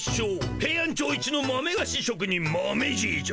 ヘイアンチョウいちの豆がししょく人マメじーじゃ。